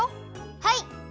はい。